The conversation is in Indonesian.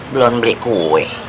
belum beli kue